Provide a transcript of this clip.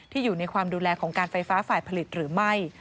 อยู่ในความดูแลของการไฟฟ้าฝ่ายผลิตหรือไม่